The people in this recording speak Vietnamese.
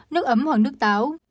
nước ấm hoặc nước táo